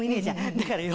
だからよ